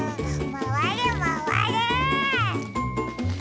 まわれまわれ！